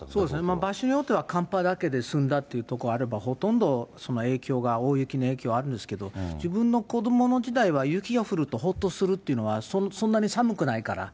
場所によっては寒波だけで済んだというとこあれば、ほとんどその影響が、大雪の影響があるんですけど、自分の子どもの時代は、雪が降ると、ほっとするというのは、そんなに寒くないから。